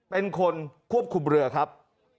เป็นคนควบคุมเรือครับ